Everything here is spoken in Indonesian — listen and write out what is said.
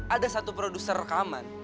ada satu produser rekaman